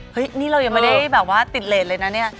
เฮ้ยนี่เรายังไม่ได้แบบว่าติดเลสเลยนะเนี่ย